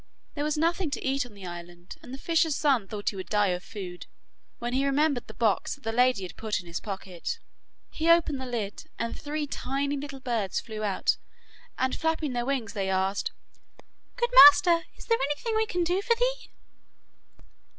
There was nothing to eat on the island, and the fisher's son thought he would die of food, when he remembered the box that the lady had put in his pocket. He opened the lid, and three tiny little birds flew out, and flapping their wings they asked, 'Good master, is there anything we can do for thee?